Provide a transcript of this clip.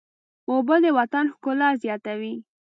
اوبه د وطن ښکلا زیاتوي.